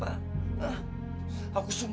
tahan dulu emosi kamu